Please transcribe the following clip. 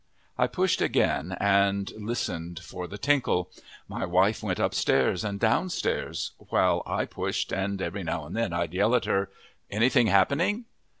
I pushed again and listened for the tinkle. My wife went upstairs and downstairs, while I pushed, and every now and then I'd yell at her. "Anything happening?"